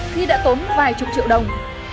khi đã tốn vài chục triệu đồng